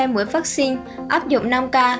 hai mũi vaccine ấp dụng năm k